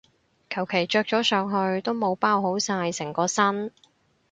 求其着咗上去都冇包好晒成個身